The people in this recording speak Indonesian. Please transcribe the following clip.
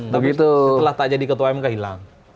setelah tak jadi ketua mk hilang